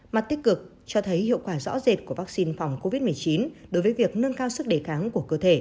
mặt tích cực cho thấy hiệu quả rõ rệt của vaccine phòng covid một mươi chín đối với việc nâng cao sức đề kháng của cơ thể